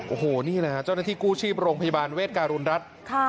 โอ้โหนี่แหละฮะเจ้าหน้าที่กู้ชีพโรงพยาบาลเวทการุณรัฐ